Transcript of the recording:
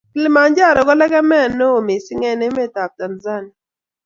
Kilimanjaro ko lekemee ne oo mising eng emet ab Tanzania.